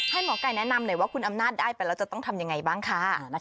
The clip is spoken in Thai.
หมอไก่แนะนำหน่อยว่าคุณอำนาจได้ไปแล้วจะต้องทำยังไงบ้างค่ะ